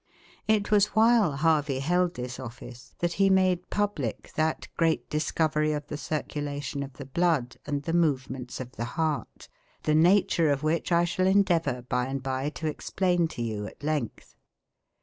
It was while Harvey held this office that he made public that great discovery of the circulation of the blood and the movements of the heart, the nature of which I shall endeavour by and by to explain to you at length.